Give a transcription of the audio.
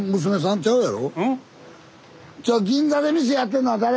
ちゃうやろ？